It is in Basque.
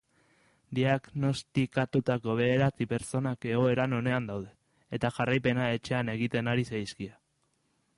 Diagnostikatutako bederatzi pertsonak egoeran onean daude, eta jarraipena etxean egiten ari zaizkie.